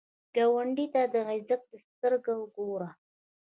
ګاونډي ته د عزت سترګو ګوره